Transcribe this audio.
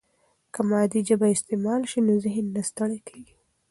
که مادي ژبه استعمال شي، نو ذهن نه ستړی کیږي.